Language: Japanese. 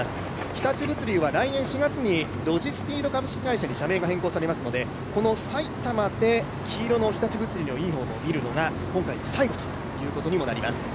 日立物流は来年４月に社名が変更されますのでこの埼玉で黄色の日立物流のユニフォームを見るのは今回で最後ということにもなります。